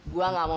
gue gak mau mikir